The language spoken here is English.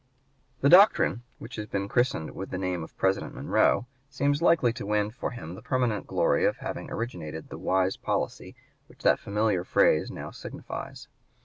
The doctrine which has been christened with the name of President Monroe seems likely to win for him the permanent glory of having originated the wise policy which that familiar phrase now signifies.